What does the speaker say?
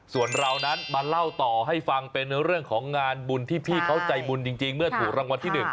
ส่วนเรานั้นมาเล่าต่อให้ฟังเป็นเรื่องของงานบุญที่พี่เขาใจบุญจริงเมื่อถูกรางวัลที่๑